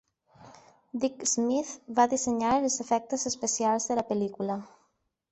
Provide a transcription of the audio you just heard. Dick Smith va dissenyar els efectes especials de la pel·lícula.